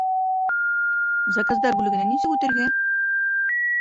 Заказдар бүлегенә нисек үтергә?